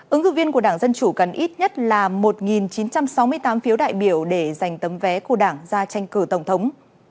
ứng cử viên của đảng dân chủ cần ít nhất là một chín trăm sáu mươi tám phiếu đại biểu để giành tấm vé của đảng ra tranh cử tổng thống